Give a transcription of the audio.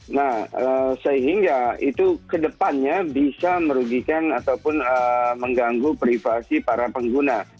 nah sehingga itu kedepannya bisa merugikan ataupun mengganggu privasi para pengguna